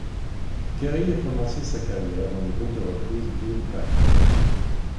Kerry a commencé sa carrière dans le groupe de reprises Boone Pat.